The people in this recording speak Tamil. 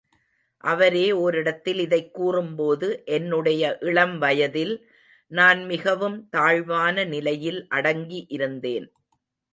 அவரே ஓரிடத்தில் இதைக் கூறும்போது, என்னுடைய இளம் வயதில் நான் மிகவும் தாழ்வான நிலையில் அடங்கி இருந்தேன்.